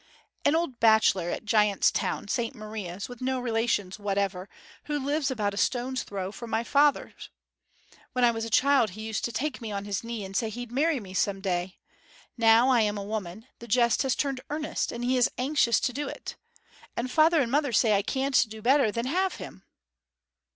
'An old bachelor at Giant's Town, St Maria's, with no relations whatever, who lives about a stone's throw from father's. When I was a child he used to take me on his knee and say he'd marry me some day. Now I am a woman the jest has turned earnest, and he is anxious to do it. And father and mother say I can't do better than have him.'